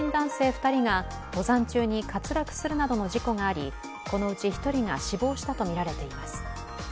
２人が登山中に滑落するなどの事故がありこのうち１人が死亡したとみられています。